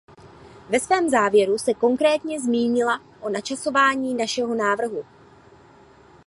Ve svém závěru se konkrétně zmínila o načasování našeho návrhu.